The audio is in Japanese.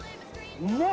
うまっ！